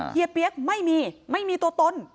เฮียกไม่มีไม่มีตัวตน